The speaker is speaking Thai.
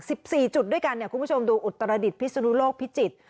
สิบสี่จุดด้วยกันเนี่ยคุณผู้ชมดูอุตรดิษฐพิศนุโลกพิจิตร